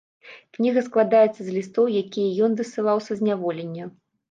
Кніга складаецца з лістоў, якія ён дасылаў са зняволення.